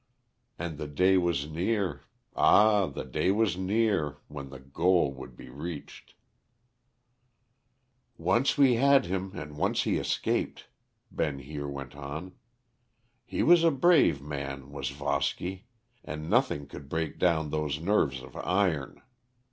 And the day was near, ah! the day was near, when the goal would be reached. "Once we had him and once he escaped," Ben Heer went on. "He was a brave man was Voski, and nothing could break down those nerves of iron.